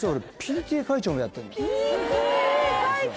ＰＴＡ会長！？